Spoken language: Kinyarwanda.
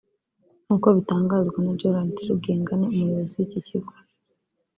nk’uko bitangazwa na Gerard Rugengane umuyobozi w’icyi kigo